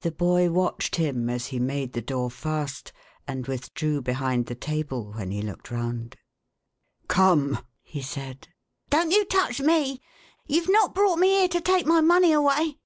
The boy watched him as he made the door fast, and with drew behind the table, when he looked round. "Come!" he said. " Don't you touch me ! You've not brought me here to take my money away.""